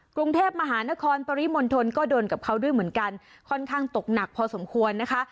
กรุงเทพมหานครปริมณฑลก็โดนกับเขาด้วยเหมือนกันค่อนข้างตกหนักพอสมควรนะคะ